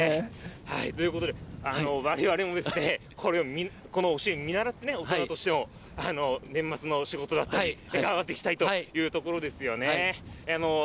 ということで、われわれもこの教えを見習ってね、年末の仕事だったり、頑張っていきたいというところですよね。